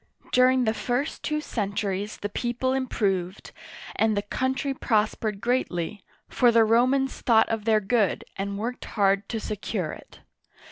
During the first two centuries the people improved, and the country prospered greatly, for the Ro mans thought of their good and worked hard to secure it.